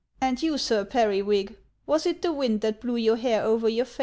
And you, Sir Periwig, was it the wind that blew your hair over your face